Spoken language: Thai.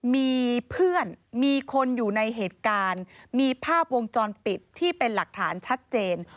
มีเพื่อนมีคนอยู่ในเหตุการณ์มีภาพวงจรปิดที่เป็นหลักฐานชัดเจน